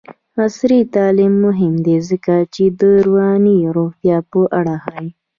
عصري تعلیم مهم دی ځکه چې د رواني روغتیا په اړه ښيي.